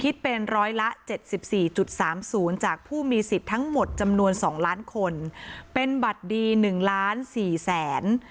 คิดเป็นร้อยละเจ็ดสิบสี่จุดสามศูนย์จากผู้มีสิบทั้งหมดจำนวนสองล้านคนเป็นบัตรดีหนึ่งล้านสี่แสน